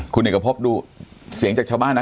คุณเอกพบดูเสียงจากชาวบ้านนะ